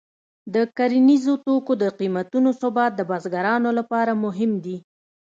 د کرنیزو توکو د قیمتونو ثبات د بزګرانو لپاره مهم دی.